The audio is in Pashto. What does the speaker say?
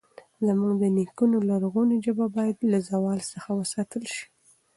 زموږ د نیکونو لرغونې ژبه باید له زوال څخه وساتل شي.